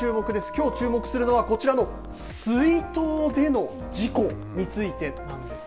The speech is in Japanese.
きょう注目するのはこちらの水筒での事故についてなんです。